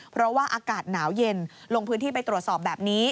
เพราะว่าอากาศหนาวเย็นลงพื้นที่ไปตรวจสอบแบบนี้